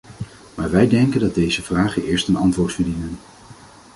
Maar wij denken dat deze vragen eerst een antwoord verdienen.